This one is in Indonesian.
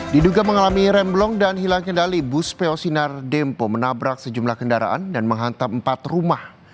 diduga mengalami remblong dan hilang kendali bus peosinar dempo menabrak sejumlah kendaraan dan menghantam empat rumah